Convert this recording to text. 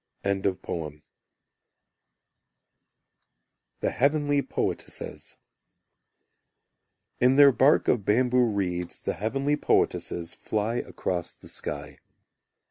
The Heavenly Poetesses In their bark of bamboo reeds The heavenly poetesses Float across the sky.